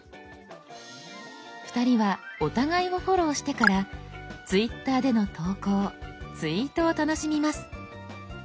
２人はお互いをフォローしてから「Ｔｗｉｔｔｅｒ」での投稿「ツイート」を楽しみます。